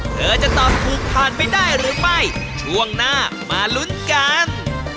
เธอจะตอบถูกผ่านไปได้หรือไม่ช่วงหน้ามาลุ้นกัน